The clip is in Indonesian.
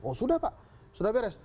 oh sudah pak sudah beres